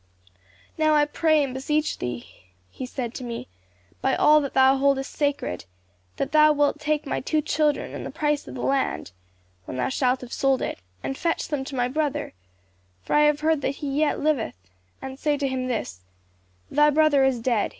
"'Now I pray and beseech thee,' he said to me, 'by all that thou boldest sacred, that thou wilt take my two children and the price of the land when thou shalt have sold it and fetch them to my brother, for I have heard that he yet liveth, and say to him this: Thy brother is dead.